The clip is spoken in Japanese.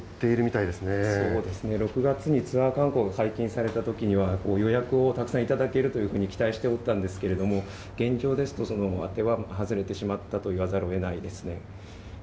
そうですね、６月にツアー観光が解禁されたときには、ご予約をたくさん頂けるというふうに期待しておったんですけれども、現状ですと、その当ては外れてしまったと言わざるをえないですね。